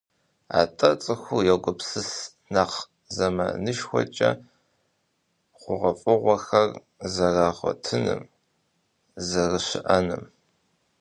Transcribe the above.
АтӀэ цӀыхур йогупсыс нэхъ зэманышхуэкӀэ хъугъуэфӀыгъуэхэр зэрагъуэтыным, зэрыщыӀэным.